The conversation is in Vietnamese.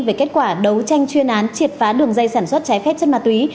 về kết quả đấu tranh chuyên án triệt phá đường dây sản xuất trái phép chất ma túy